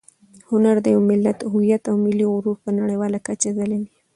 هنر د یو ملت هویت او ملي غرور په نړیواله کچه ځلوي.